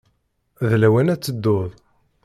D lawan ad tedduḍ.